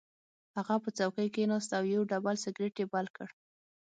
هغه پر څوکۍ کېناست او یو ډبل سګرټ یې بل کړ